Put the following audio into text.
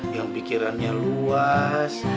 yang pikirannya luas